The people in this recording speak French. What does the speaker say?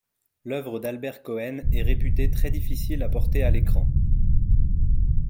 L'œuvre d'Albert Cohen est réputée très difficile à porter à l'écran.